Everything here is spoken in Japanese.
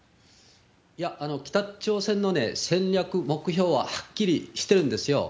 いや、北朝鮮の戦略、目標ははっきりしてるんですよ。